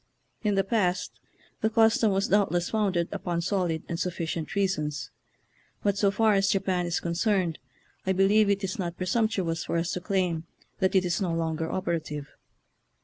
In the past the. custom was doubtless founded upon solid arid sufficient reasons, but so far as Japan is concerned I believe it is not presumptu ous for us to claim that it is no longer operative.